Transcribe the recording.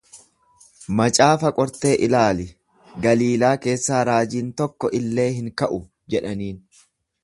Macaafa qortee ilaali, Galiilaa keessaa raajiin tokko illee hin ka’u jedhaniin.